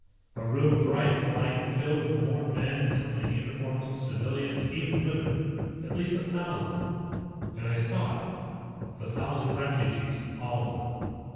A room bright with light and filled with more men in Company uniforms, civilians, even women. At least a thousand. And I saw it. The thousand refugees, all of them.